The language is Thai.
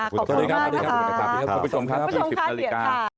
ขอบพระคุณมาก